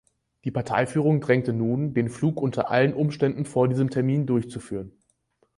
Die Parteiführung drängte nun, den Flug unter allen Umständen vor diesem Termin durchzuführen.